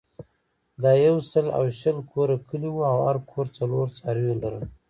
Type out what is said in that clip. دا یو سل او شل کوره کلی وو او هر کور څلور څاروي لرل.